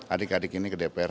adik adik ini ke dpr